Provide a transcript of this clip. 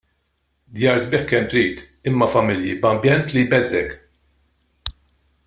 Djar sbieħ kemm trid, imma familji b'ambjent li jbeżżgħek.